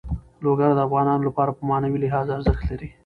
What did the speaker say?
لوگر د افغانانو لپاره په معنوي لحاظ ارزښت لري.